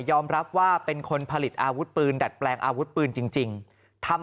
อมรับว่าเป็นคนผลิตอาวุธปืนดัดแปลงอาวุธปืนจริงทำ